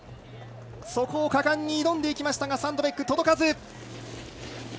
そこを果敢に挑んでいきましたがサンドベック、届かず。